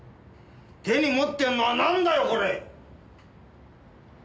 手に持ってるのはなんだよこれ！